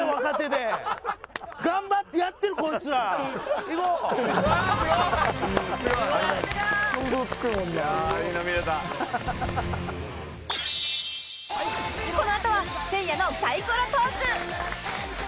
このあとはせいやのサイコロトーク